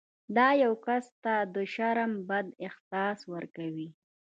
دا یو کس ته د شرم بد احساس ورکوي.